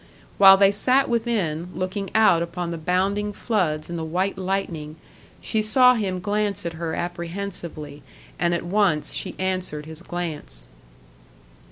While they sat within, looking out upon the bounding floods and the white lightning, she saw him glance at her apprehensively, and at once she answered his glance.